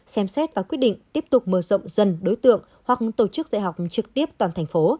xem xét và quyết định tiếp tục mở rộng dân đối tượng hoặc tổ chức dạy học trực tiếp toàn thành phố